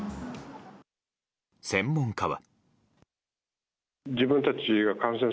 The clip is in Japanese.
専門家は。